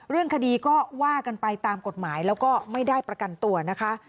เรื่องคดีก็ว่ากันไปตามกฎหมายแล้วก็ไม่ได้ประกันตัวนะคะ